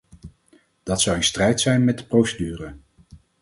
Dat zou in strijd zijn met de procedure.